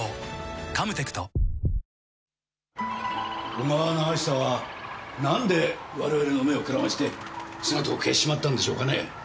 小川長久はなんで我々の目をくらまして姿を消しちまったんでしょうかね。